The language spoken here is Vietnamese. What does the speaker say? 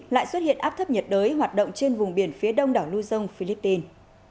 lại xuất hiện áp thấp nhiệt đới hoạt động trên vùng biển phía đông đảo lưu dông philippines